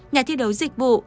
nhà thi đấu dịch vụ